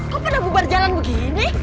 kok pernah bubar jalan begini